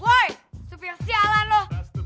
woy supir sialan lo